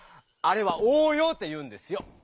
あれはおう用って言うんですよ。